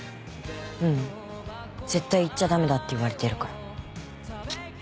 ううん絶対行っちゃダメだって言われてるから。